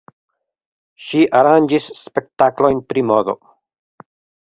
Ŝi aranĝis spektaklojn pri modo.